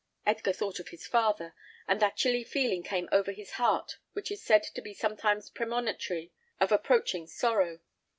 Edgar thought of his father, and that chilly feeling came over his heart which is said to be sometimes premonitory of approaching sorrow.